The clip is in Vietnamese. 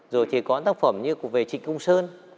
rồi thì có tác phẩm như về trịnh cung sơn